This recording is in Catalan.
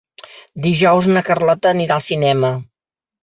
Dijous na Carlota anirà al cinema.